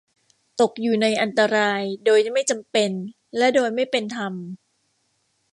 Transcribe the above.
ตกอยู่ในอันตรายโดยไม่จำเป็นและโดยไม่เป็นธรรม